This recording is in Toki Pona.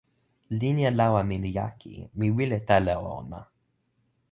linja lawa mi li jaki. mi wile telo e ona.